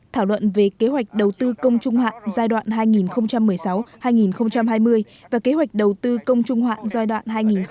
thảo luận về kế hoạch đầu tư công trung hạn giai đoạn hai nghìn một mươi sáu hai nghìn hai mươi và kế hoạch đầu tư công trung hạn giai đoạn hai nghìn hai mươi một hai nghìn hai mươi năm